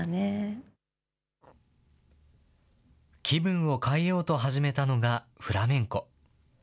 気分を変えようと始めたのが、フラメンコ。